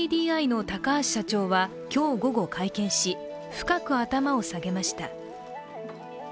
ＫＤＤＩの高橋社長は今日午後、会見し、深く頭を下げました。